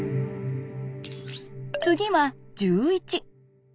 次は１１。